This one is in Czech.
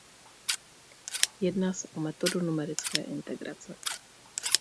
Jedná se o metodu numerické integrace.